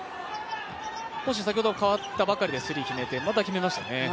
星は先ほど代わったばかりすぐにスリー決めてまた決めましたよね。